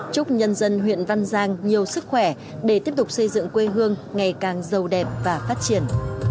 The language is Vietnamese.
chúc nhân dân huyện văn giang nhiều sức khỏe để tiếp tục xây dựng quê hương ngày càng giàu đẹp và phát triển